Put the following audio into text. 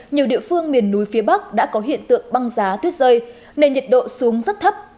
nhiều địa phương miền núi phía bắc đã có hiện tượng băng giá tuyết rơi nên nhiệt độ xuống rất thấp